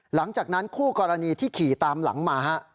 หลังจากนั้นคู่กรณีที่ขี่ตามหลังมา